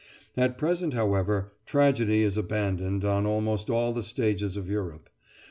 At present, however, tragedy is abandoned on almost all the stages of Europe.